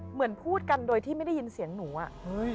เหมือนพูดกันโดยที่ไม่ได้ยินเสียงหนูอะ